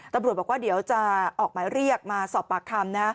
ตำรวจบอกว่าเดี๋ยวจะออกหมายเรียกมาสอบปากคำนะ